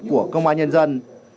của công an nhân dân